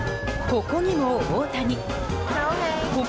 ここにも大谷。